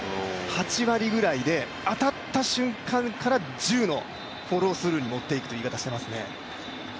８割ぐらいで、当たった瞬間から１０のフォロースルーに持っていくと言っていますね。